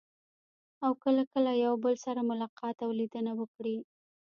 او کله کله یو بل سره ملاقات او لیدنه وکړي.